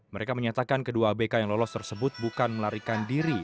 mereka menyatakan kedua abk yang lolos tersebut bukan melarikan diri